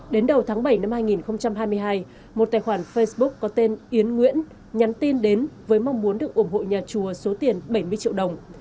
đến đầu tháng bảy năm hai nghìn hai mươi hai một tài khoản facebook có tên yến nguyễn nhắn tin đến với mong muốn được ủng hộ nhà chùa số tiền bảy mươi triệu đồng